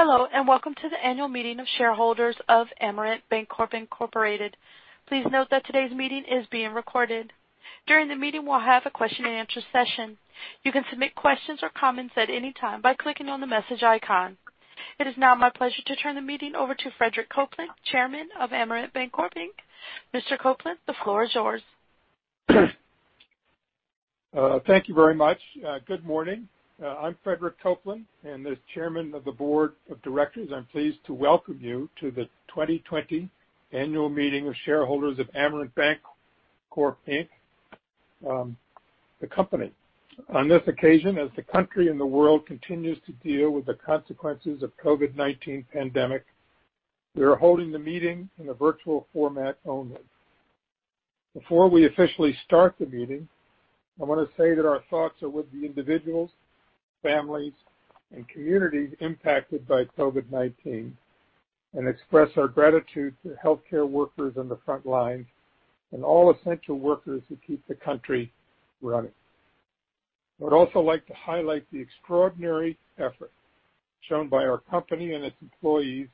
Hello, and welcome to the annual meeting of shareholders of Amerant Bancorp Incorporated. Please note that today's meeting is being recorded. During the meeting, we'll have a question-and-answer session. You can submit questions or comments at any time by clicking on the message icon. It is now my pleasure to turn the meeting over to Frederick Copeland, Chairman of Amerant Bancorp Inc. Mr. Copeland, the floor is yours. Thank you very much. Good morning. I'm Frederick Copeland, and as Chairman Board of Directors, i'm pleased to welcome you to the 2020 annual meeting of shareholders of Amerant Bancorp Inc the company. On this occasion, as the country and the world continues to deal with the consequences of COVID-19 pandemic, we are holding the meeting in a virtual format only. Before we officially start the meeting, I want to say that our thoughts are with the individuals, families, and communities impacted by COVID-19 and express our gratitude to healthcare workers on the front lines and all essential workers who keep the country running. I would also like to highlight the extraordinary effort shown by our company and its employees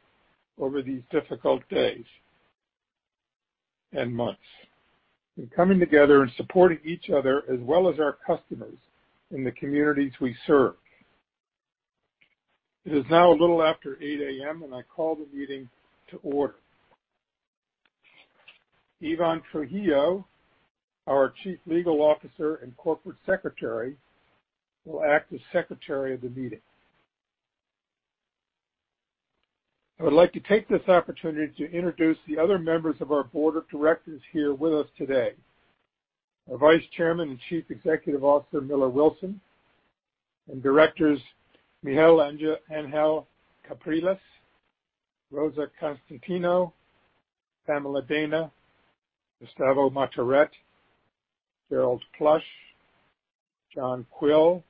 over these difficult days and months in coming together and supporting each other, as well as our customers in the communities we serve. It is now a little after 8:00 A.M, and I call the meeting to order. Ivan Trujillo, our Chief Legal Officer and Corporate Secretary, will act as Secretary of the meeting. I would like to take this opportunity to introduce the other members Board of Directors here with us today. Our Vice Chairman and Chief Executive Officer, Millar Wilson. Directors Miguel Angel Capriles, Rosa Costantino, Pamella Dana, Gustavo Marturet, Gerald Plush, John Quill,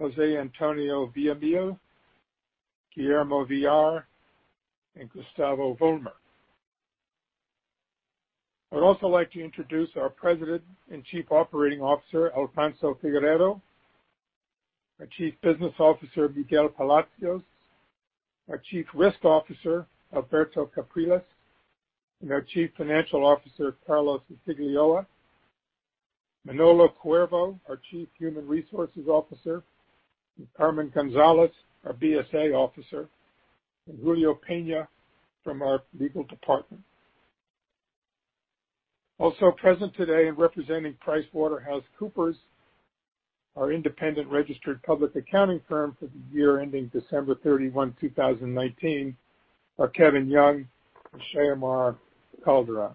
Jose Antonio Villamil, Guillermo Villar, and Gustavo Vollmer. I would also like to introduce our President and Chief Operating Officer, Alfonso Figueredo, our Chief Business Officer, Miguel Palacios, our Chief Risk Officer, Alberto Capriles, and our Chief Financial Officer, Carlos Iafigliola, Manolo Cuervo, our Chief Human Resources Officer, and Carmen Gonzalez, our BSA Officer, and Julio Pena from our legal department. Also present today and representing PricewaterhouseCoopers, our independent registered public accounting firm for the year ending December 31, 2019, are Kevin Young and Sharymar Calderón.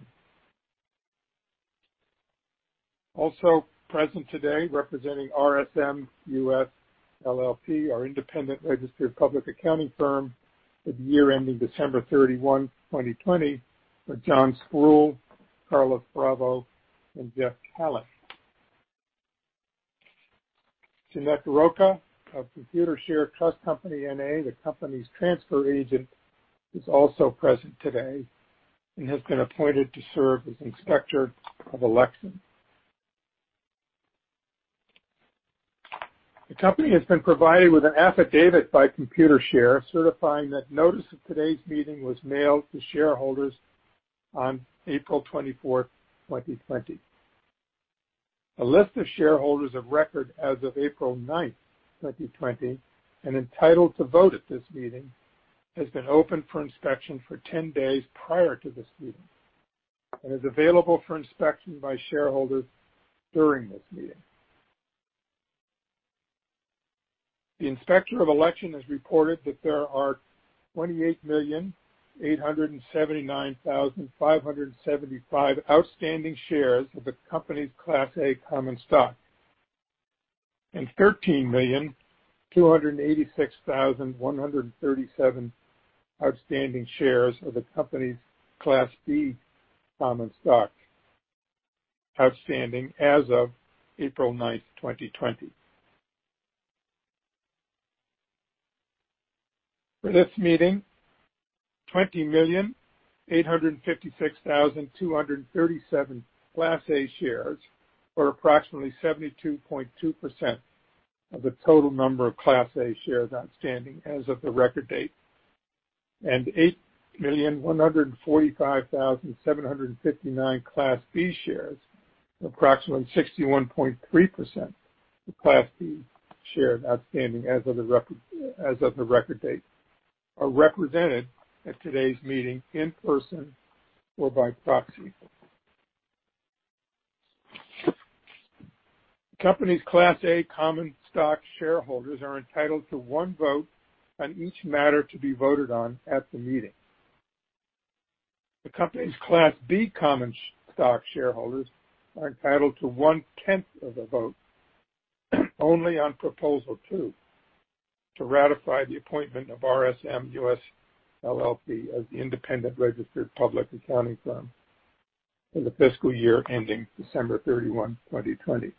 Also present today representing RSM US LLP, our independent registered public accounting firm for the year ending December 31, 2020, are John Sproule, Carlos Bravo, and Jeff Hallett. Jeanette Roca of Computershare Trust Company, N.A., the company's transfer agent, is also present today and has been appointed to serve as Inspector of Election. The company has been provided with an affidavit by Computershare certifying that notice of today's meeting was mailed to shareholders on April 24th, 2020. A list of shareholders of record as of April 9th, 2020, and entitled to vote at this meeting, has been open for inspection for 10 days prior to this meeting and is available for inspection by shareholders during this meeting. The Inspector of Election has reported that there are 28,879,575 outstanding shares of the company's Class A common stock and 13,286,137 outstanding shares of the company's Class B common stock outstanding as of April 9th, 2020. For this meeting, 20,856,237 Class A shares, or approximately 72.2% of the total number of Class A shares outstanding as of the record date, and 8,145,759 Class B shares, approximately 61.3% of Class B shares outstanding as of the record date, are represented at today's meeting in person or by proxy. The company's Class A common stock shareholders are entitled to one vote on each matter to be voted on at the meeting. The company's Class B common stock shareholders are entitled to 1-10th of a vote only on Proposal 2 to ratify the appointment of RSM US LLP as the independent registered public accounting firm for the fiscal year ending December 31, 2020.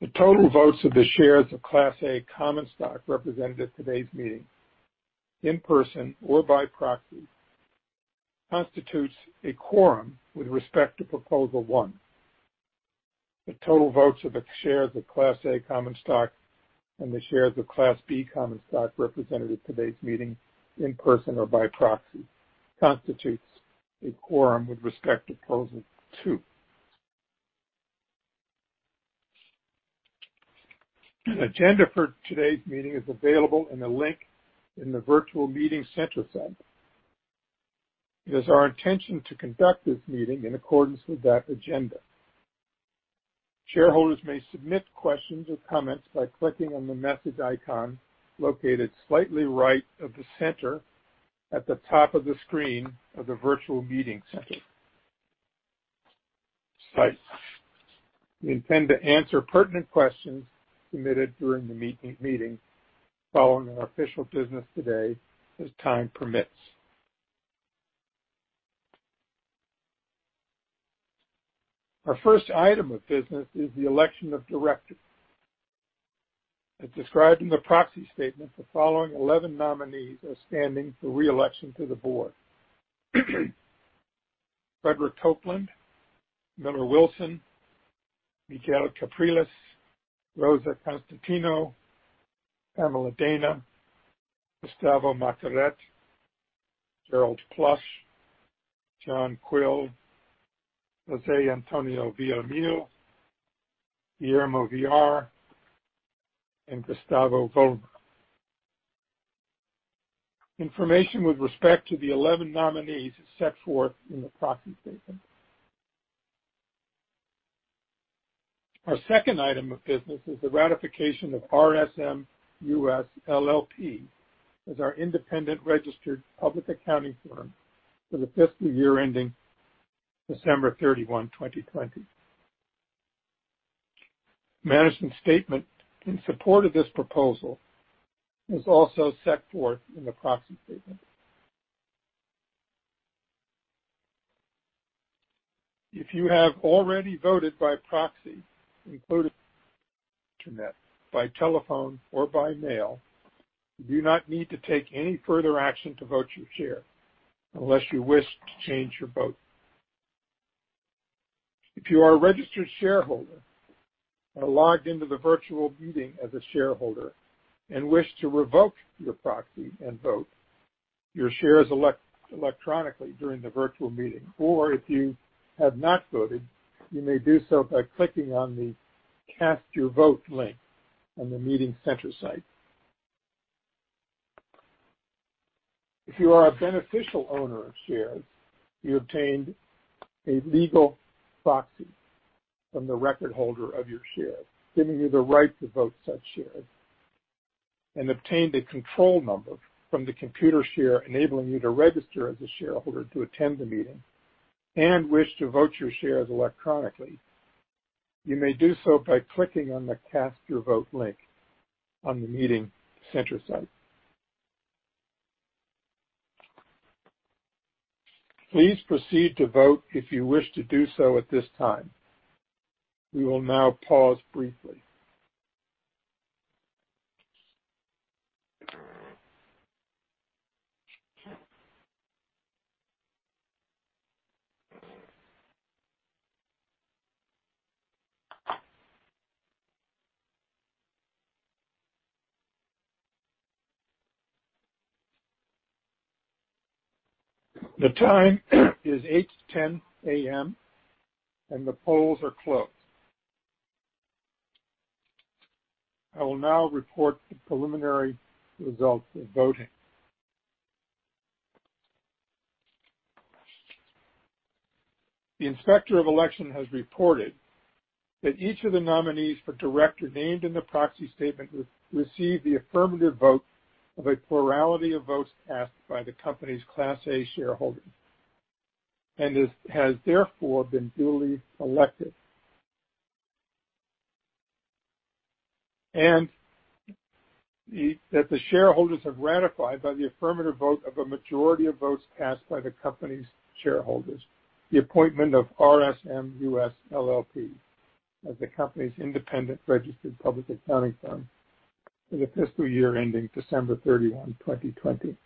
The total votes of the shares of Class A common stock represented at today's meeting, in person or by proxy, constitutes a quorum with respect to Proposal 1. The total votes of the shares of Class A common stock and the shares of Class B common stock represented at today's meeting in person or by proxy constitutes a quorum with respect to Proposal 2. An agenda for today's meeting is available in a link in the virtual meeting center site. It is our intention to conduct this meeting in accordance with that agenda. Shareholders may submit questions or comments by clicking on the message icon located slightly right of center at the top of the screen of the virtual meeting center site. We intend to answer pertinent questions submitted during the meeting following our official business today as time permits. Our first item of business is the election of directors. As described in the proxy statement, the following 11 nominees are standing for re-election to the Board: Frederick Copeland, Millar Wilson, Miguel Capriles, Rosa Costantino, Pamella Dana, Gustavo Marturet, Gerald Plush, John Quill, Jose Antonio Villamil, Guillermo Villar, and Gustavo Vollmer. Information with respect to the 11 nominees is set forth in the proxy statement. Our second item of business is the ratification of RSM US LLP as our independent registered public accounting firm for the fiscal year ending December 31, 2020. Management's statement in support of this proposal is also set forth in the proxy statement. If you have already voted by proxy, including Internet, by telephone, or by mail, you do not need to take any further action to vote your share unless you wish to change your vote. If you are a registered shareholder and are logged into the virtual meeting as a shareholder and wish to revoke your proxy and vote your shares electronically during the virtual meeting, or if you have not voted, you may do so by clicking on the Cast your vote link on the meeting center site. If you are a beneficial owner of shares, you obtained a legal proxy from the record holder of your share, giving you the right to vote such shares and obtained a control number from the Computershare enabling you to register as a shareholder to attend the meeting and wish to vote your shares electronically, you may do so by clicking on the Cast your vote link on the meeting center site. Please proceed to vote if you wish to do so at this time. We will now pause briefly. The time is 8:10 A.M., and the polls are closed. I will now report the preliminary results of voting. The Inspector of Election has reported that each of the nominees for director named in the proxy statement received the affirmative vote of a plurality of votes cast by the company's Class A shareholders and has therefore been duly elected. That the shareholders have ratified by the affirmative vote of a majority of votes cast by the company's shareholders the appointment of RSM US LLP as the company's independent registered public accounting firm for the fiscal year ending December 31, 2020.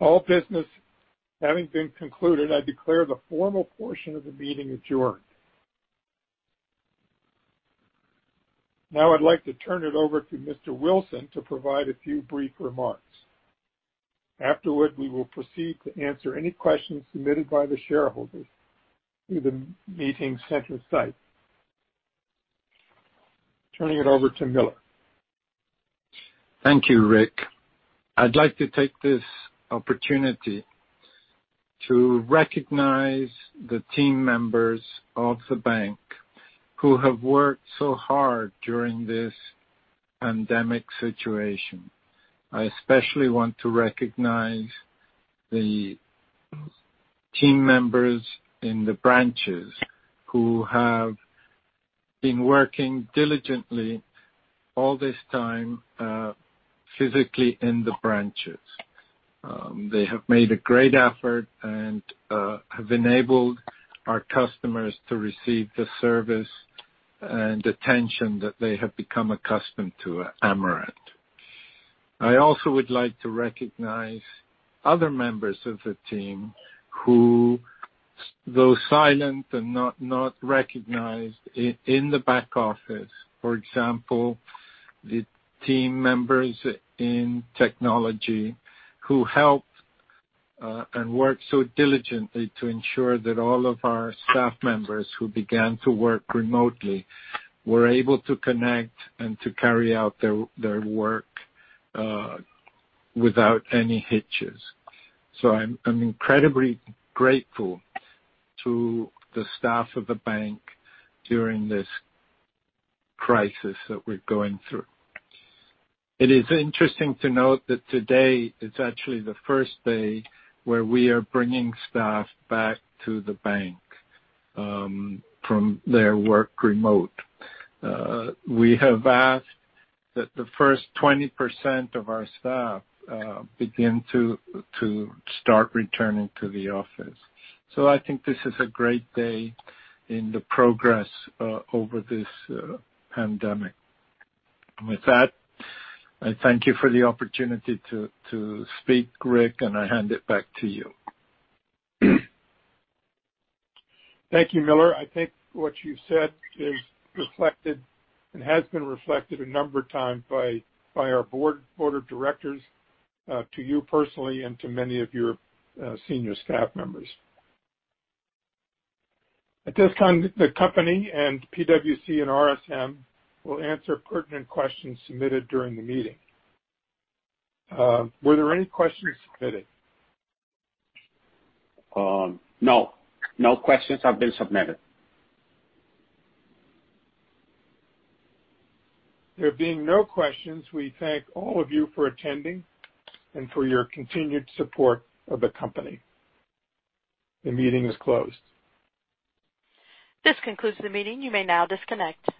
All business having been concluded, I declare the formal portion of the meeting adjourned. I'd like to turn it over to Mr. Wilson to provide a few brief remarks. Afterward, we will proceed to answer any questions submitted by the shareholders through the meeting center site. Turning it over to Millar. Thank you, Rick. I'd like to take this opportunity to recognize the team members of the bank who have worked so hard during this pandemic situation. I especially want to recognize the team members in the branches who have been working diligently all this time physically in the branches. They have made a great effort and have enabled our customers to receive the service and attention that they have become accustomed to at Amerant. I also would like to recognize other members of the team who, though silent and not recognized in the back office, for example, the team members in technology who helped and worked so diligently to ensure that all of our staff members who began to work remotely were able to connect and to carry out their work without any hitches. I'm incredibly grateful to the staff of the bank during this crisis that we're going through. It is interesting to note that today is actually the first day where we are bringing staff back to the bank from their work remote. We have asked that the first 20% of our staff begin to start returning to the office. I think this is a great day in the progress over this pandemic. With that, I thank you for the opportunity to speak, Frederick, and I hand it back to you. Thank you, Millar. I think what you've said is reflected and has been reflected a number of times Board of Directors to you personally and to many of your senior staff members. At this time, the company and PwC and RSM will answer pertinent questions submitted during the meeting. Were there any questions submitted? No. No questions have been submitted. There being no questions, we thank all of you for attending and for your continued support of the company. The meeting is closed. This concludes the meeting. You may now disconnect.